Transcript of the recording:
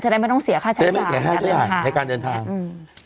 ได้ไม่ต้องเสียค่าใช้จ่ายจะได้ไม่เสียค่าใช้จ่ายค่ะในการเดินทางอืม